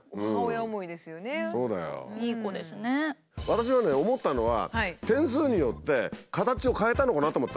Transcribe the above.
私がね思ったのは点数によって形を変えたのかなと思ったの。